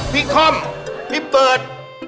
พี่คมพี่เปิด